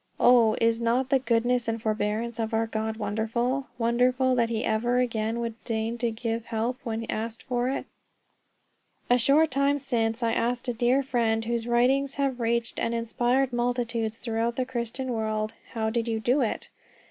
Oh, is not the goodness and forbearance of our God wonderful; wonderful that he ever again would deign to give help when asked for it? A short time since I asked a dear friend whose writings have reached and inspired multitudes throughout the Christian world: "How did you do it?"